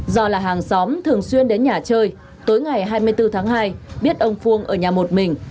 do là hàng xóm thường xuyên đến nhà chơi tối ngày hai mươi bốn tháng hai biết ông phung ở nhà một mình